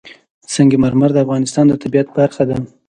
سنگ مرمر د افغانستان د طبیعت برخه ده.